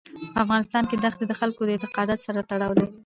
په افغانستان کې دښتې د خلکو د اعتقاداتو سره تړاو لري.